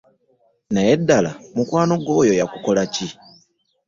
Naye ddala mukwano gwo oyo yakukola ki?